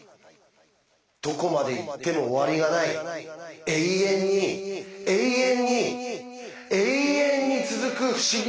どこまで行っても終わりがない永遠に永遠にえいえんに続く不思議な世界。